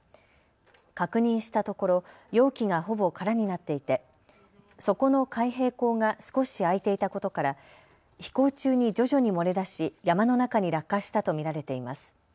確認したところ容器がほぼ空になっていて底の開閉口が少し開いていたことから飛行中に徐々に漏れ出し山の中に落下したと見られています。